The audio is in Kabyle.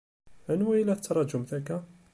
Anwa i la tettṛaǧumt akka?